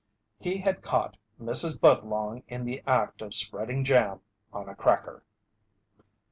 He had caught Mrs. Budlong in the act of spreading jam on a cracker.